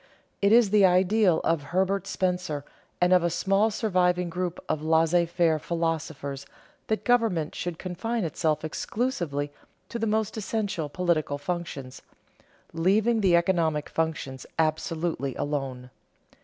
_ It is the ideal of Herbert Spencer and of a small surviving group of laissez faire philosophers that government should confine itself exclusively to the most essential political functions, leaving the economic functions absolutely alone.